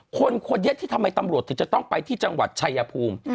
คนนี้ที่ทำไมตำรวจถึงจะต้องไปที่จังหวัดชายภูมิ